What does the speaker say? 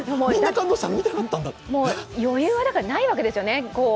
余裕がないわけですよね。